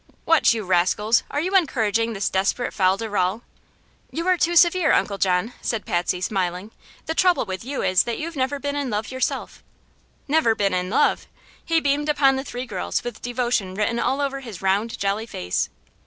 "What, you rascals! are you encouraging this desperate fol de rol?" "You are too severe, Uncle John," said Patsy, smiling. "The trouble with you is that you've never been in love yourself." "Never been in love!" He beamed upon the three girls with devotion written all over his round, jolly face.